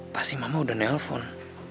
pasti mama udah nelpon